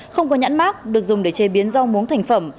không có nhãn mát được dùng để chế biến rau muống thành phẩm